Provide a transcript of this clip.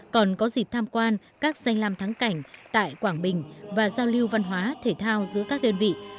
còn có dịp tham quan các danh lam thắng cảnh tại quảng bình và giao lưu văn hóa thể thao giữa các đơn vị